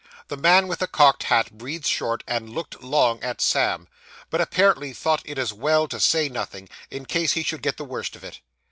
The man with the cocked hat breathed short, and looked long at Sam, but apparently thought it as well to say nothing, in case he should get the worst of it.